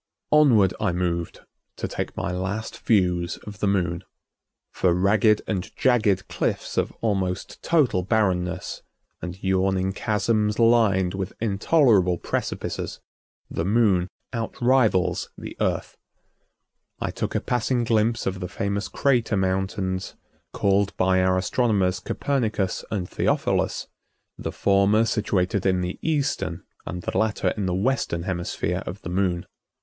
Onward I moved to take my last views of the Moon. For ragged and jagged cliffs of almost total barrenness, and yawning chasms lined with intolerable precipices, the Moon outrivals the Earth. I took a passing glimpse of the famous crater mountains, called by our astronomers Copernicus and Theophilus, the former situated in the eastern and the latter in the western hemisphere of the Moon.